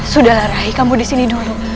sudahlah rai kamu disini dulu